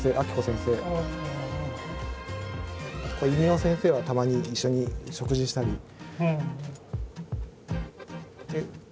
いにお先生はたまに一緒に食事したり。